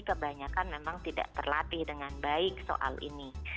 kebanyakan memang tidak terlatih dengan baik soal ini